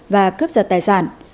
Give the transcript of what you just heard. và cướp giật tài sản